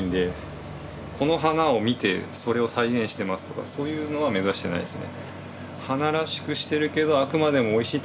この花を見てそれを再現してますとかそういうのは目指してないですね。